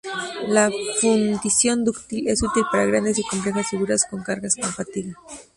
La fundición dúctil es útil para grandes y complejas figuras con cargas con fatiga.